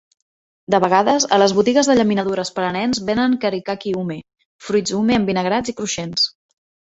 De vegades, a les botigues de llaminadures per a nens venen karikari ume, fruits ume envinagrats i cruixents.